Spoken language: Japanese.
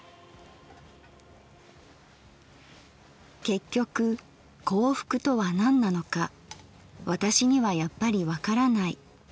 「結局幸福とは何なのか私にはやっぱりわからない。